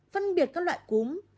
phân biệt các loại cúm